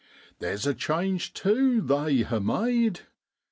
Theer's a change tu they ha' made.